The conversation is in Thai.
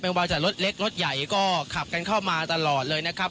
ว่าจะรถเล็กรถใหญ่ก็ขับกันเข้ามาตลอดเลยนะครับ